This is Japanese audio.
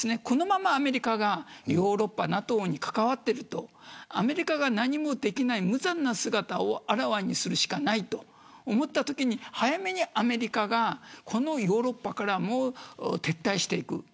このまま、アメリカがヨーロッパ、ＮＡＴＯに関わっているとアメリカが何もできない無残な姿をあらわにするしかないと思った瞬間に早めにアメリカがこのヨーロッパからも撤退していく。